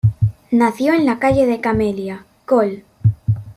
Nació en la calle de Camelia, Col.